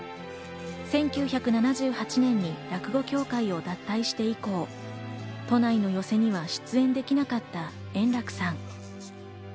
１９７８年に落語協会を脱退して以降、都内の寄席には出演できなかった円楽さん。